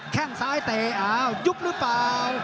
แค่งซ้ายเตะอ้าวยุบหรือเปล่า